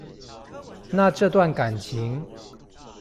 那這段感情